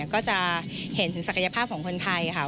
ก็จะเห็นถึงศักยภาพของคนไทยค่ะ